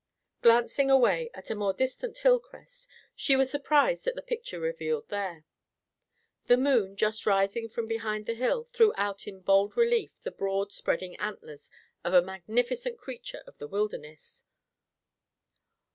Glancing away at a more distant hill crest, she was surprised at the picture revealed there. The moon, just rising from behind the hill, threw out in bold relief the broad spreading antlers of a magnificent creature of the wilderness.